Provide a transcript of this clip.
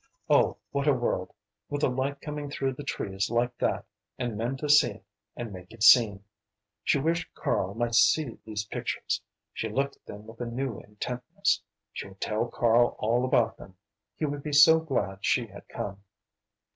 Oh what a world with the light coming through the trees like that, and men to see it, and make it seen! She wished Karl might see these pictures; she looked at them with a new intentness, she would tell Karl all about them; he would be so glad she had come.